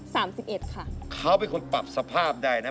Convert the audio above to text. ๓๑ขาเขาเป็นคนปรับสภาพได้นะ